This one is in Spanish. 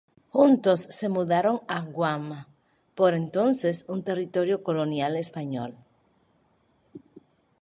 Juntos, se mudaron a Guam, por entonces un territorio colonial español.